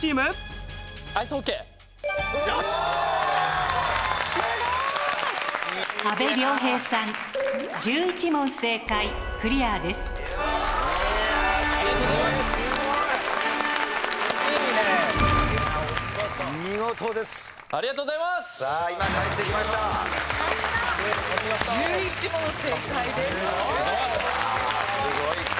すごい。